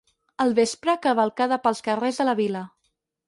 Al vespre, cavalcada pels carrers de la vila.